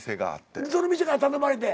その店から頼まれて？